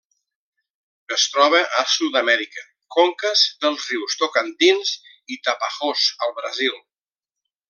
Es troba a Sud-amèrica: conques dels rius Tocantins i Tapajós al Brasil.